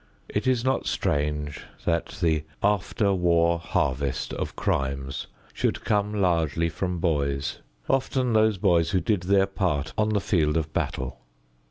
It is not strange that the after war harvest of crimes should come largely from boys, often those boys who did their part on the field of battle.